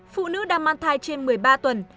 phụ nữ đang mang thai trên một mươi ba tuần